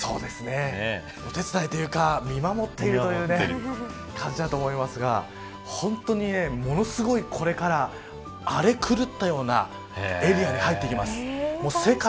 お手伝いというか見守っているという感じだと思いますが本当に、ものすごい、これから荒れ狂ったようなエリアに入ってきます。